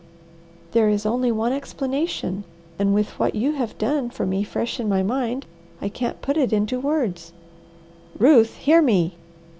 "There is only one explanation, and with what you have done for me fresh in my mind, I can't put it into words." "Ruth, hear me!"